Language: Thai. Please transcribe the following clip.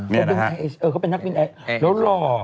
อ๋อนี่นะครับเพราะเขาเป็นนักบินแล้วหล่อ